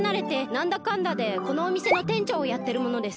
なんだかんだでこのおみせのてんちょうをやってるものです。